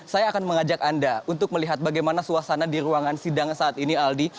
saya akan mengajak anda untuk melihat bagaimana suasana di ruangan sidang saat ini aldi